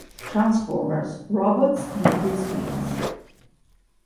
Transformers: Robots in Disguise